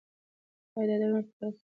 ایا دا درمل په خالي خېټه خوړل کیږي؟